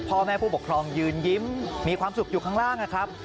พ่อแม่ผู้ปกครองยืนยิ้มมีความสุขอยู่ข้างล่างนะครับ